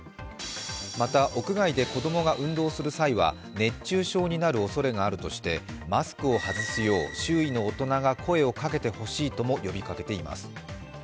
また屋外で子供が運動する際は、熱中症になるおそれがあるとしてマスクを外すよう周囲の大人が声をかけてほしいとも呼びかけています。